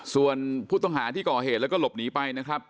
ส่วนผู้ต้องหาที่ก่อเหตุแล้วก็หลบหนีไปนะครับ